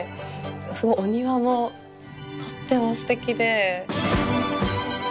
すごいお庭もとってもステキで。